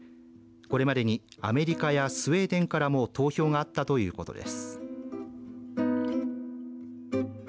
これまでにアメリカやスウェーデンからも投票があったということです。